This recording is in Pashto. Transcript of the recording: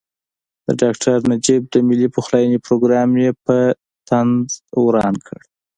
د ډاکټر نجیب د ملي پخلاینې پروګرام یې په طنز وران کړ.